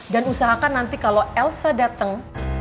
dan usahakan nanti kalau elsa datang